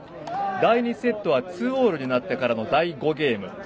第２セットは２−２になってからの第５ゲーム。